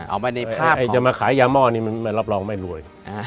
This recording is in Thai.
ออกมาในภาพของใช่จะมาขายยาหม้อนนี้มันรับรองไม่รวย